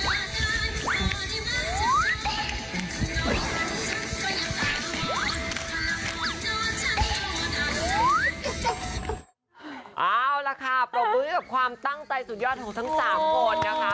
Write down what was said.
เอาล่ะค่ะปรบมือให้กับความตั้งใจสุดยอดของทั้ง๓คนนะคะ